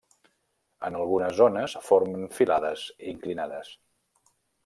En algunes zones formen filades inclinades.